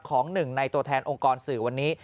หนึ่งในตัวแทนองค์กรสื่อวันนี้